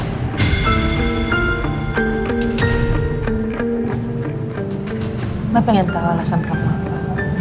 gue pengen tau alasan kamu apa